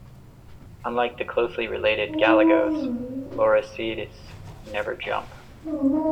Unlike the closely related galagos, lorisids never jump.